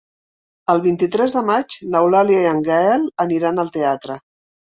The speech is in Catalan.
El vint-i-tres de maig n'Eulàlia i en Gaël aniran al teatre.